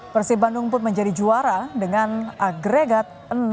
persib bandung pun menjadi juara dengan agregat enam